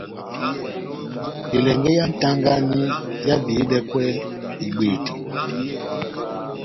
Elɛngɛ yá nʼtagani ehábihidɛkwɛ ibwete.